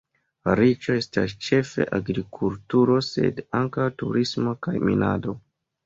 Riĉo estas ĉefe agrikulturo, sed ankaŭ turismo kaj minado.